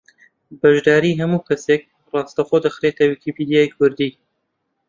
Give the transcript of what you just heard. بەشداریی ھەموو کەسێک ڕاستەوخۆ دەخرێتە ویکیپیدیای کوردی